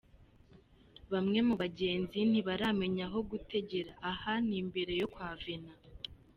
Bamwe mu bagenzi ntibaramenya aho gutegera aha ni imbere yo kwa Venant.